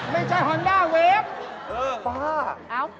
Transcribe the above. ไม่ใช่ฮอนด้าเวฟปลาอ้าว